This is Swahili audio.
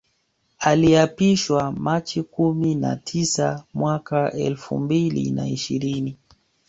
Aliapishwa Machi kumi na tisa mwaka elfu mbili na ishirini